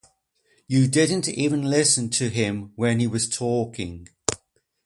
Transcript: You didn't even listen to him when he was talking.